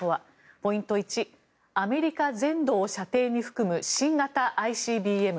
ポイント１、アメリカ全土を射程に含む新型ＩＣＢＭ。